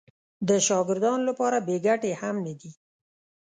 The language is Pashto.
د شاګردانو لپاره بې ګټې هم نه دي.